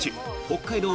北海道